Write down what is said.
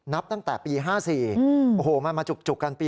นับตั้งแต่ปี๕๔โอ้โหมันมาจุกกันปี๒